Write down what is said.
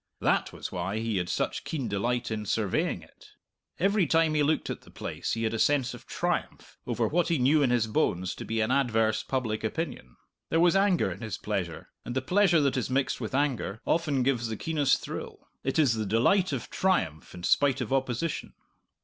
That was why he had such keen delight in surveying it. Every time he looked at the place he had a sense of triumph over what he knew in his bones to be an adverse public opinion. There was anger in his pleasure, and the pleasure that is mixed with anger often gives the keenest thrill. It is the delight of triumph in spite of opposition.